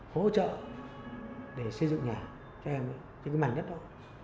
hỗ trợ để xây dựng nhà cho em những mảnh đất đó